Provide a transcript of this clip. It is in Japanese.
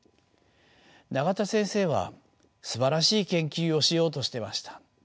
永田先生はすばらしい研究をしようとしてました。